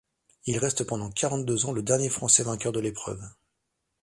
Il reste pendant quarante-deux ans le dernier Français vainqueur de l'épreuve.